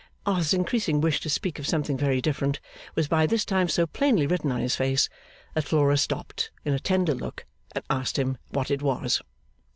Arthur's increasing wish to speak of something very different was by this time so plainly written on his face, that Flora stopped in a tender look, and asked him what it was?